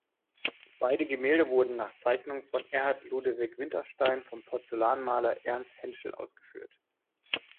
Beide Gemälde wurden nach Zeichnungen von Erhard Ludewig Winterstein vom Porzellanmaler Ernst Hentschel ausgeführt.